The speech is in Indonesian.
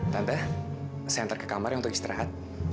tante saya antar ke kamarnya untuk istirahat